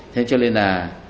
thế cho nên là